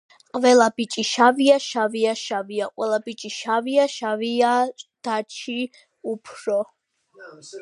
ყველა ბიჭი შავია შავია შავია ყვეელა ბიიჭი შავია შავიიიაააა დააააჩიი უუუუუუუუფფფრრროო